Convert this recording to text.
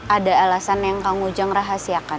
ada alasan yang kang ujang rahasiakan